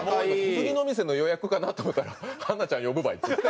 次の店の予約かなと思ったら「華ちゃん呼ぶばい」っつって。